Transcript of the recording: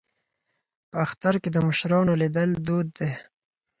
په اختر کې د مشرانو لیدل دود دی.